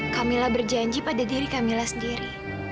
kak mila berjanji pada diri kak mila sendiri